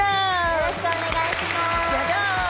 よろしくお願いします！